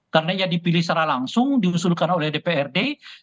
karena ya dipilih secara langsung diusulkan oleh dprd